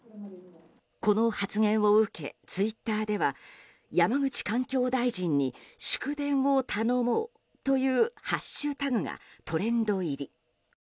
この発言を受け、ツイッターでは「＃山口環境大臣に祝電を頼もう」というハッシュタグがトレンド入り。